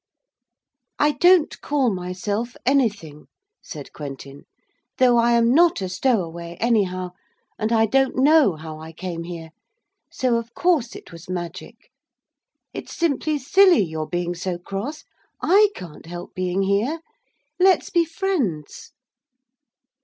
'I don't call myself anything,' said Quentin, 'though I am not a stowaway, anyhow, and I don't know how I came here so of course it was magic. It's simply silly your being so cross. I can't help being here. Let's be friends.'